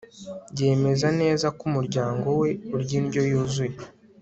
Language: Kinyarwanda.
Yemeza neza ko umuryango we urya indyo yuzuye